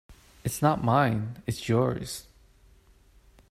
It's not mine; it's yours.